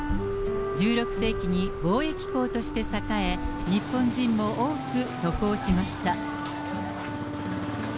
１６世紀に貿易港として栄え、日本人も多く渡航しました。